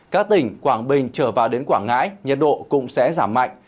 các tỉnh quảng bình trở vào đến quảng ngãi nhiệt độ cũng sẽ giảm mạnh